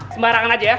sembarangan aja ya